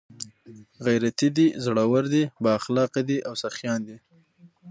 ، غيرتي دي، زړور دي، بااخلاقه دي او سخيان دي